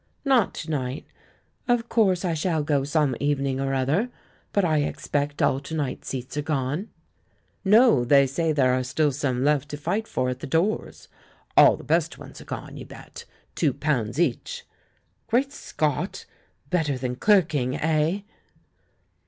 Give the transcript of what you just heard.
"Not to night. Of course I shall go some eve ning or other. But I expect all to night's seats are gone." "No, they say there are still some left to fight for at the doors. All the best ones are gone, you bet — two pounds each!" "Great Scott! Better than clerking — eh?"